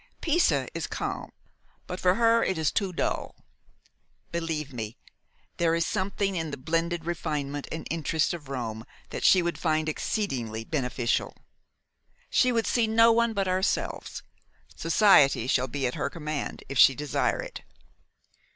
Pisa is calm, but for her it is too dull. Believe me, there is something in the blended refinement and interest of Rome that she would find exceedingly beneficial. She would see no one but ourselves; society shall be at her command if she desire it.